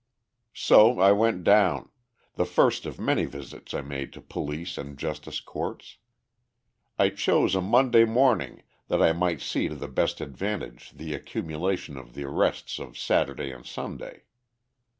So I went down the first of many visits I made to police and justice courts. I chose a Monday morning that I might see to the best advantage the accumulation of the arrests of Saturday and Sunday.